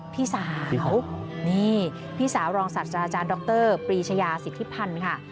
พี่สาวนี่พี่สาวรองศาสตราจารย์ดรปรีชยาสิทธิพันธ์ค่ะ